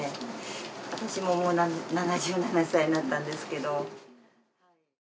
私ももう７７歳になったんですけど。